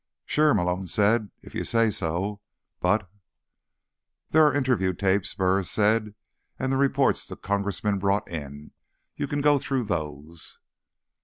"Sure," Malone said, "if you say so. But—" "There are the interview tapes," Burris said, "and the reports the Congressmen brought in. You can go through those."